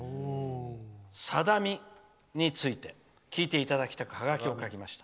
さだみについて聞いていただきたくハガキを書きました。